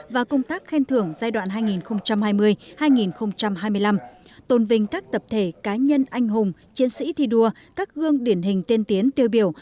và công tác khen thưởng giai đoạn hai nghìn hai mươi hai nghìn hai mươi năm tôn vinh các tập thể cá nhân anh hùng chiến sĩ thi đua các gương điển hình tiên tiến tiêu biểu